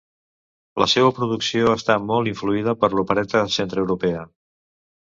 La seua producció està molt influïda per l'opereta centreeuropea.